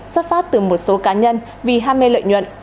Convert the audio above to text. xuất phát từ một số cá nhân vì ham mê lợi nhuận